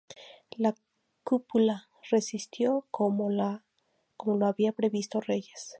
La cúpula resistió como lo había previsto Reyes.